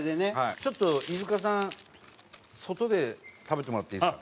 ちょっと飯塚さん外で食べてもらっていいですか？